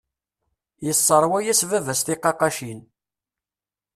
Yesserwa-yas baba-s tiqaqqacin.